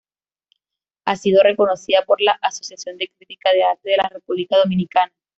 Ha sido reconocida por la Asociación de Crítica de Arte de la República Dominicana.